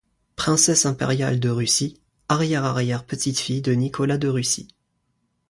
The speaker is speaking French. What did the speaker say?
Princesse impériale de Russie, arrière-arrière-petite-fille de Nicolas de Russie.